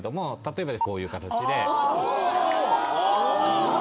すごい！